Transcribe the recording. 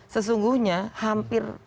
sesungguhnya hampir semua